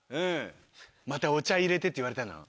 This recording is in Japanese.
また「お茶入れて」って言われたの？